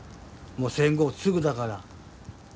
もう戦後すぐだから。